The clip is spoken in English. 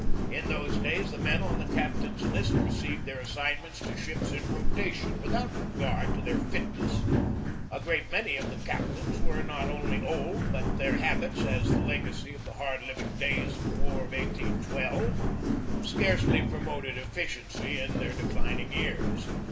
In those days the men on the captain's list received their assign ments to ships in rotation, without regard to their fitness. A great many of the captains were not only old, but their habits, as the legacy of the hard living days of the War of 1812, scarcely promoted efficiency in their declining years.